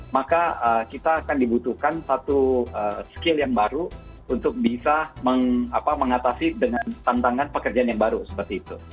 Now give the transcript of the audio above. maka kita akan dibutuhkan satu skill yang baru untuk bisa mengatasi dengan tantangan pekerjaan yang baru seperti itu